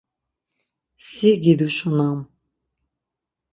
Si giduşunam.